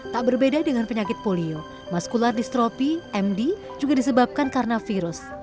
tak berbeda dengan penyakit polio maskular distropi md juga disebabkan karena virus